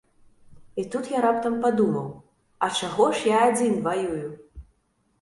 І тут я раптам падумаў, а чаго ж я адзін ваюю?